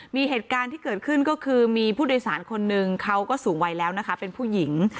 มีเหตุการณ์ที่เกิดขึ้นก็คือมีผู้โดยสารคนนึงเขาก็สูงวัยแล้วนะคะเป็นผู้หญิง